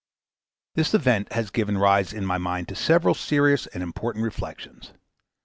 This event has given rise in my mind to several serious and important reflections.